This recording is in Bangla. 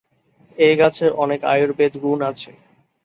এই গাছের অনেক আয়ুর্বেদ গুণ আছে।